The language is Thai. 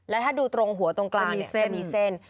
และถ้าดูตรงหัวตรงกลางจะมีเส้น